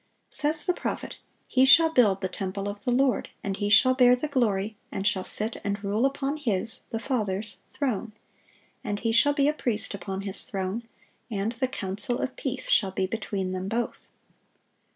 Says the prophet: "He shall build the temple of the Lord; and He shall bear the glory, and shall sit and rule upon His [the Father's] throne; and He shall be a priest upon His throne: and the counsel of peace shall be between Them both."